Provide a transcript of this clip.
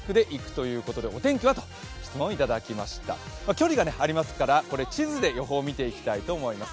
距離がありますから、地図で予報を見ていきたいと思います。